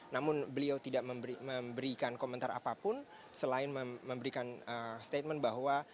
namun beliau tidak memberikan komentar apapun selain memberikan statement bahwa